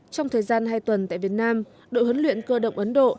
trong thời gian hai tuần tại việt nam đội huấn luyện cơ động ấn độ